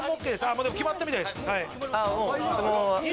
もう決まったみたいです。